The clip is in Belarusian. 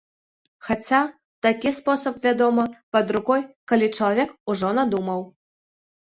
Хаця, такі спосаб, вядома, пад рукой, калі чалавек ужо надумаў.